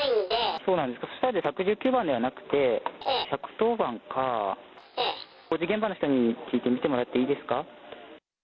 そうなんですか、そうしたら１１９番ではなくて、１１０番か、工事現場の人に聞いてみてもらっていいですか？